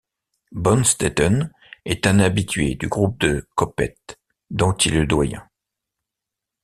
Bonstetten est un habitué du Groupe de Coppet, dont il est le doyen.